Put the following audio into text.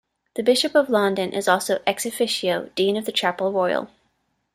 The Bishop of London is also "ex officio" Dean of the Chapel Royal.